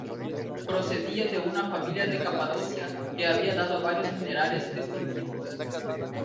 Procedía de una familia de Capadocia que había dado varios generales distinguidos.